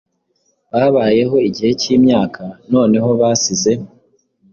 Babayeho igihe cyimyaka Noneho basize